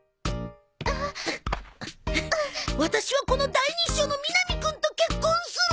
ワタシはこの第二秘書の南くんと結婚する！